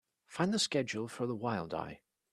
Find the schedule for The Wild Eye.